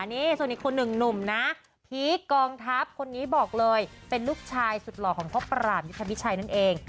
นี่ส่วนอีกคนหนึ่งหนุ่มนะพีคกองทัพคนนี้บอกเลยเป็นลูกชายสุดหล่อของพ่อปราบยุทธพิชัยนั่นเอง